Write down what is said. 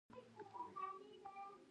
د طنز له خوږو سره د خندا په څپو کې نڅول.